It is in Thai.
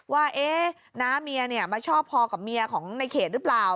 ว่าเอ๊ะหน้าเมียเนี่ยมาชอบพอกับเมียของในเขตรึเปล่า